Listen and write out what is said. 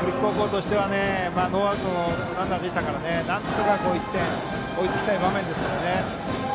北陸高校としてはノーアウトのランナーでしたからなんとか１点追いつきたい場面ですけどね。